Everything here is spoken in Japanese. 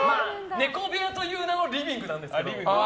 猫部屋という名のリビングなんですけど。